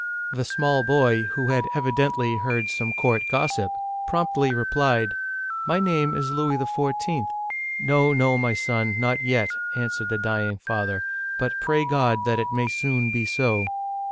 The small boy — who had evidently heard some court gossip — promptly replied, "My name is Louis XIV.'' " No, no, my son, not yet," answered the dying father ;" but pray God that it may soon be so."